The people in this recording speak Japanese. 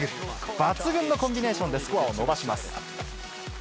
抜群のコンビネーションでスコアを伸ばします。